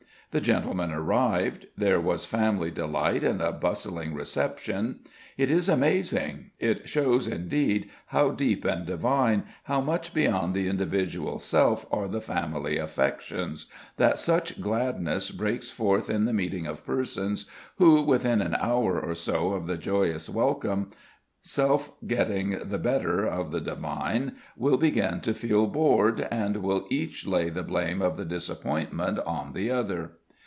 The gentlemen arrived. There was family delight and a bustling reception. It is amazing it shows indeed how deep and divine, how much beyond the individual self are the family affections that such gladness breaks forth in the meeting of persons who, within an hour or so of the joyous welcome, self getting the better of the divine, will begin to feel bored, and will each lay the blame of the disappointment on the other.